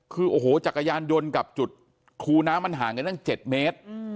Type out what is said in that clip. คือโอ้โหจักรยานยนต์กับจุดคูน้ำมันห่างกันตั้ง๗เมตร